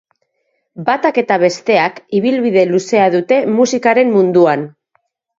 Batak eta besteak ibilbide luzea dute musikaren munduan.